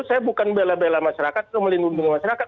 saya bukan bela bela masyarakat atau melindungi masyarakat